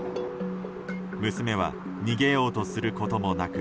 娘は逃げようとすることもなく